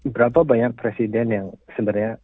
berapa banyak presiden yang sebenarnya